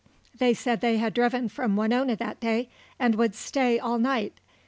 They said they had driven from Winona that day, and would stay all night.